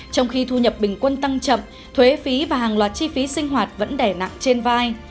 trong khi thu nhập bình quân tăng chậm thuế phí và hàng loạt chi phí sinh hoạt vẫn đẻ nặng trên vai